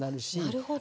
なるほど。